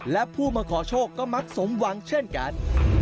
และผู้มาขอโชคก็มักสมหวังเช่นกัน